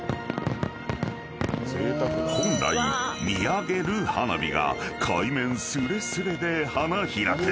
［本来見上げる花火が海面すれすれで花開く］